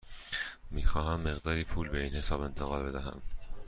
می خواهم مقداری پول به این حساب انتقال بدهم.